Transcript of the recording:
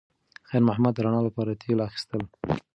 خیر محمد د رڼا لپاره تېل اخیستل.